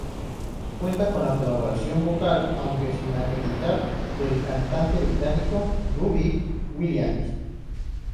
Cuenta con la colaboración vocal, aunque sin acreditar, del cantante británico Robbie Williams.